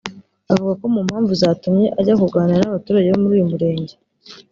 avuga ko mu mpamvu zatumye ajya kuganira n’abaturage bo muri uyu murenge